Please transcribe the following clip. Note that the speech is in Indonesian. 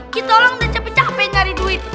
kita orang udah capek capek nyari duit